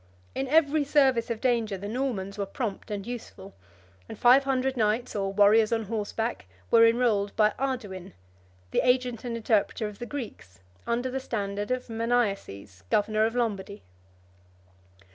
In every service of danger the Normans were prompt and useful; and five hundred knights, or warriors on horseback, were enrolled by Arduin, the agent and interpreter of the Greeks, under the standard of Maniaces, governor of Lombardy.